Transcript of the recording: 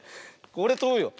これとぶよ。